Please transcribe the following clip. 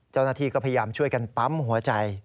เจ้าหน้าที่ก็พยายามช่วยกันปั๊มหัวใจ